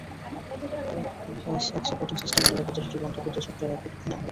OS X operating সিস্টেমের নিরাপত্তা ত্রুটি বন্ধ করতে সফটওয়্যার আপডেট আনল অ্যাপল।